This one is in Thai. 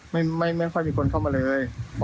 ไม่ค่อยมีคนเข้ามาเลย